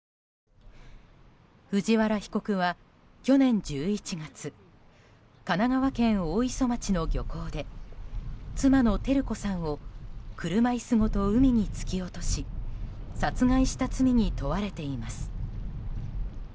藤原被告は去年１１月神奈川県大磯町の漁港で妻の照子さんを車椅子ごと海に突き落とし殺害した罪に問われています。